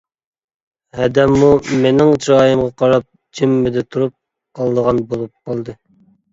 ھەدەممۇ مېنىڭ چىرايىمغا قاراپ جىممىدە تۇرۇپ قالىدىغان بولۇپ قالدى.